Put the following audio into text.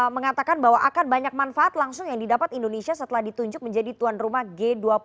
mengatakan bahwa akan banyak manfaat langsung yang didapat indonesia setelah ditunjuk menjadi tuan rumah g dua puluh